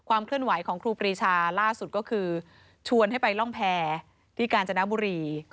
เคลื่อนไหวของครูปรีชาล่าสุดก็คือชวนให้ไปร่องแพรที่กาญจนบุรี